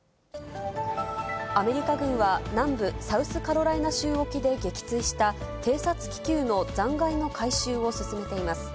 アメリカ軍は南部サウスカロライナ州沖で撃墜した偵察気球の残骸の回収を進めています。